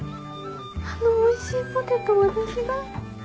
あのおいしいポテトを私が。